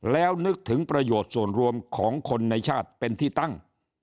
แล้วนึกถึงประโยชน์ส่วนรวมของคนในชาติเป็นที่ตั้ง